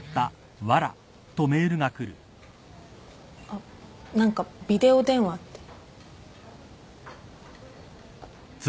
あっ何かビデオ電話って。